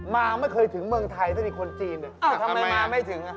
มาไม่เคยถึงเมืองไทยทั้งดีคอนจีนนะทำไมมาไม่ถึง